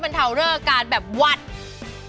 ผลิตจากอร์แกนิกและน้ำมะพร้าวบริสุทธิ์